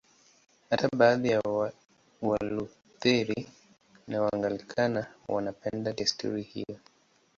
Hata baadhi ya Walutheri na Waanglikana wanapenda desturi hiyo.